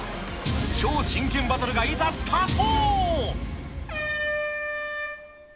超真剣バトルがいざスタート。